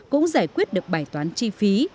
cũng giải quyết được bài toán chi phí